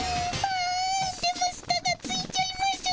あでもしたがついちゃいますぅ。